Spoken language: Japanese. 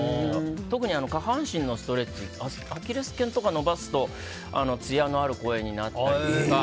特に下半身のストレッチアキレス腱とか伸ばすと艶のある声になったりとか。